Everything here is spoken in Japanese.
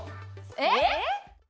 えっ！？